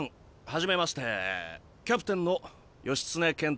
初めましてキャプテンの義経健太です。